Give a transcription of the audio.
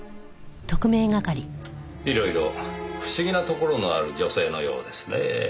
いろいろ不思議なところのある女性のようですねぇ。